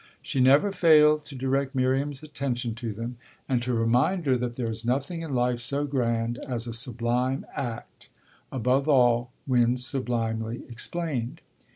She never failed to direct Miriam's attention to them and to remind her that there is nothing in life so grand as a sublime act, above all when sublimely explained.